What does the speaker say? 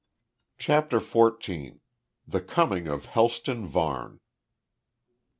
CHAPTER FOURTEEN. THE COMING OF HELSTON VARNE.